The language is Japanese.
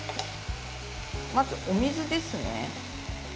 まず、お水ですね。